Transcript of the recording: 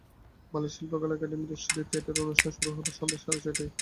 বাংলাদেশ শিল্পকলা একাডেমীর স্টুডিও থিয়েটারে অনুষ্ঠান শুরু হবে সন্ধ্যা সাড়ে ছয়টায়।